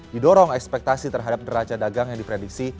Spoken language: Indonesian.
didorong ekspektasi terhadap neraca dagang yang diprediksi